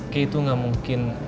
kei tuh gak mungkin